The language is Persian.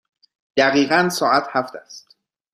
دقیقاً ساعت هفت است.